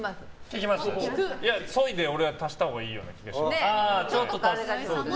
そいで俺は足したほうがいいような気がします。